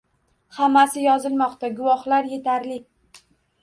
Hammasi yozilmoqda. Guvohlar yetarli.